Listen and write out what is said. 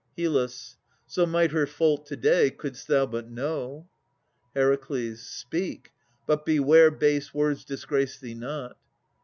HYL. So might her fault to day, couldst thou but know. HER. Speak, but beware base words disgrace thee not.